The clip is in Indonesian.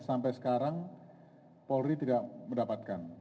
sampai sekarang polri tidak mendapatkan